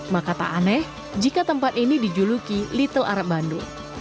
maka tak aneh jika tempat ini dijuluki little arab bandung